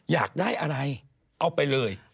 อยากได้อะไรเอาไปเลย